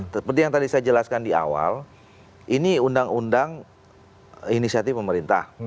seperti yang tadi saya jelaskan di awal ini undang undang inisiatif pemerintah